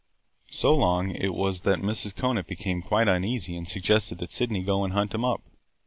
So long it was that Mrs. Conant became quite uneasy and suggested that Sydney go and hunt him up.